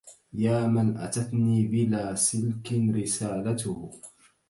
يا من أتتني بلا سلك رسالته